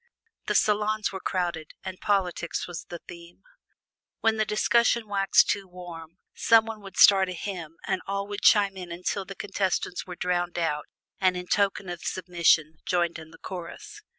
The salons were crowded, and politics was the theme. When the discussion waxed too warm, some one would start a hymn and all would chime in until the contestants were drowned out and in token of submission joined in the chorus.